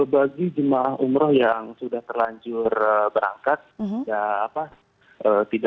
bagi jemaah umroh yang sudah terlanjur berangkat